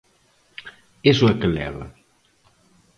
¿Iso a que leva?